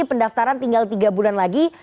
pendaftaran tinggal tiga bulan lagi